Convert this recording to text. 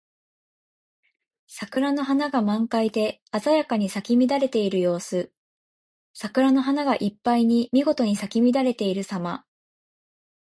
桜の花が満開で鮮やかに咲き乱れている様子。桜の花がいっぱいにみごとに咲き乱れているさま。